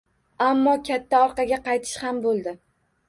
Ammo katta orqaga qaytish ham boʻldi.